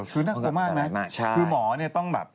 คือน่ากลัวมากครับคือหมอต้องแบบ